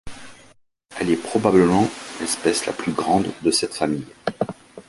Elle est probablement l'espèce la plus grande de cette famille.